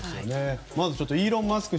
イーロン・マスク